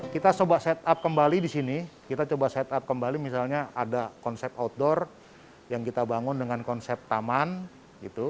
kita coba set up kembali di sini kita coba set up kembali misalnya ada konsep outdoor yang kita bangun dengan konsep taman gitu